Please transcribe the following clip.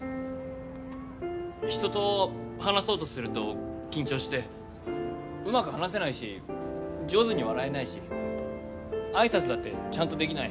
人と話そうとすると緊張してうまく話せないし上手に笑えないし、挨拶だってちゃんとできない。